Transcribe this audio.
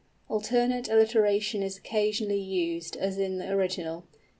Alternate alliteration is occasionally used as in the original.